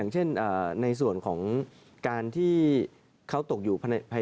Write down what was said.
เช่นในส่วนของการที่เค้าตกอยุ่